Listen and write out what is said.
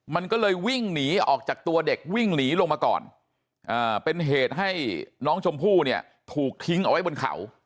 มันก็เลยวิ่งหนีออกจากตัวเด็กวิ่งหนีลงมาก่อนเป็นเหตุให้น้องชมพู่เนี่ยถูกทิ้งเอาไว้บนเขา